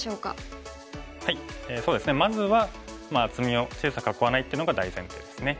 そうですねまずは厚みを小さく囲わないというのが大前提ですね。